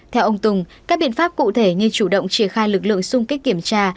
theo ông tùng các biện pháp cụ thể như chủ động triển khai lực lượng xung kích kiểm tra